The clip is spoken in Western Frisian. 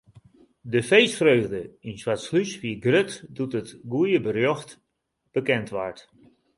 De feestfreugde yn Swartslús wie grut doe't it goede berjocht bekend waard.